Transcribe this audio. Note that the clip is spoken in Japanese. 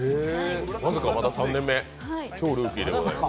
まさか、まだ３年目、超ルーキーでございます。